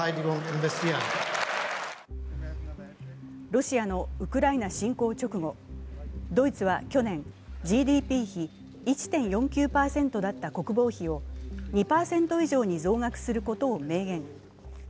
ロシアのウクライナ侵攻直後、ドイツは去年、ＧＤＰ比１．４９％だった国防費を２％以上に増額することを明言。